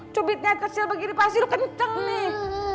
nyubitnya kecil begini pasti lu kenceng nih